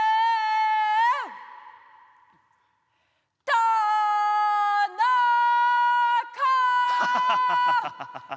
たなか！